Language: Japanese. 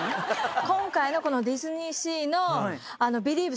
今回のディズニーシーの「ビリーヴ！